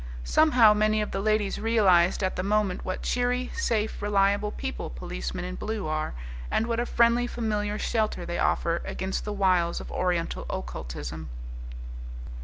Somehow many of the ladies realized at the moment what cheery, safe, reliable people policemen in blue are, and what a friendly, familiar shelter they offer against the wiles of Oriental occultism.